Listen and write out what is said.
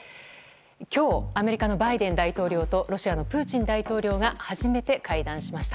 今日、アメリカのバイデン大統領とロシアのプーチン大統領が初めて会談しました。